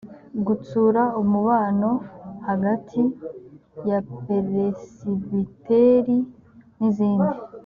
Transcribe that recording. gutsura umubano hagati ya peresibiteri n’izindi